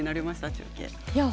中継。